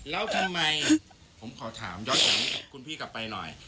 แต่หนูไม่รู้เขาอยู่ที่ไหน